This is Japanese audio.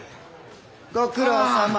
ご苦労さま。